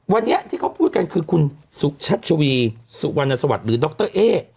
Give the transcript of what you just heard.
วันนี้ที่เขาพูดกันคือคุณสุชัชวีสุวรรณสวัสดิ์หรือดรเอ๊